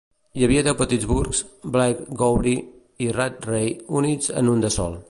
Hi havia deu petits burgs: Blairgowrie i Rattray units en un de sol.